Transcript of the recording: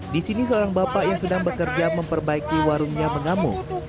di sini seorang bapak yang sedang bekerja memperbaiki warungnya mengamuk